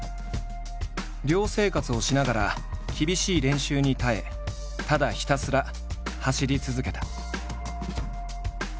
寮生活をしながら厳しい練習に耐えただひたすら走り続けた。